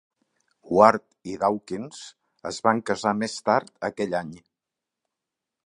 Ward i Dawkins es van casar més tard aquell any.